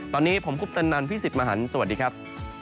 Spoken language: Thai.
ตอนนี้ผมคุปตนันพี่สิทธิ์มหันฯสวัสดีครับ